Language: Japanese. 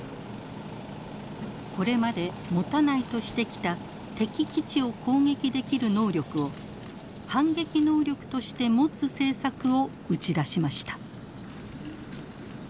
これまで持たないとしてきた敵基地を攻撃できる能力を反撃能力として持つ政策を打ち出しました。